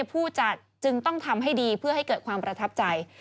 ผู้จัดจึงต้องทำให้ดีเพื่อให้เกิดความประทับใจ